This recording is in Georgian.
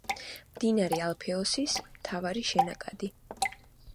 მდინარე ალფეოსის მთავარი შენაკადი.